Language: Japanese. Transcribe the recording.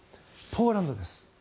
ポーランドです。